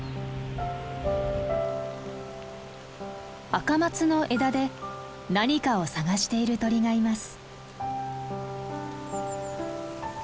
アカマツの枝で何かを探している鳥がいます。